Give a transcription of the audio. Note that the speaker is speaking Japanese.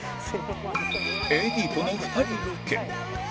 ＡＤ との２人ロケ